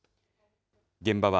現場は、